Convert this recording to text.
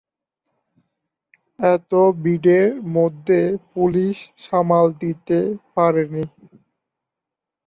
এত ভিড়ের মধ্যে পুলিশ সামাল দিতে পারেনি।